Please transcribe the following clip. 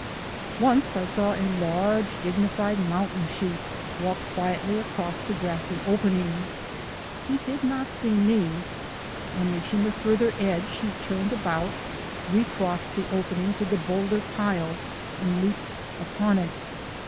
Once I saw a large, dignified mountain sheep walk quietly across the grassy opening. He did not see me. On reaching the farther edge he turned about, recrossed the opening to the boulder pile and leaped upon it.